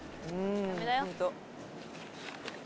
ダメだよ。